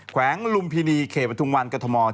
แขวงลุมพินีเขพทุงวันกฎธมอต